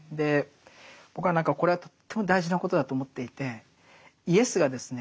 僕は何かこれはとっても大事なことだと思っていてイエスがですね